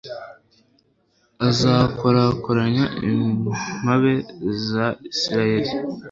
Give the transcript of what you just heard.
azakorakoranya impabe za israheli